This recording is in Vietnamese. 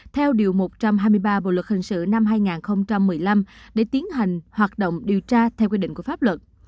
theo điều một trăm hai mươi ba bộ luật hình sự năm hai nghìn một mươi năm để tiến hành hoạt động điều tra theo quy định của pháp luật